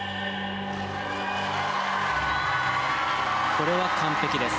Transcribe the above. これは完璧です。